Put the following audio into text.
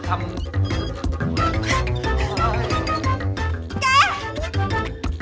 คือมันทำ